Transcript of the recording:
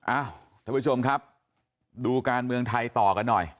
ท่านผู้ชมครับดูการเมืองไทยต่อกันหน่อย